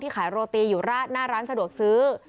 ขายโรตีอยู่หน้าร้านสะดวกซื้อ